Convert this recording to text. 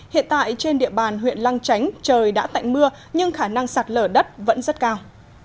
hiện tại trên địa bàn huyện lăng chánh trời đã tạnh mưa nhưng khả năng sạt lở đất vẫn rất cao